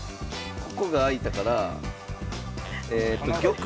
ここが空いたから玉の。